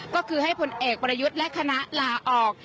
ก็คือให้ผลเอกประยุทธ์และคณะลาออก